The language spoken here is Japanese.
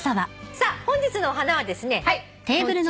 さあ本日のお花はですねこちら。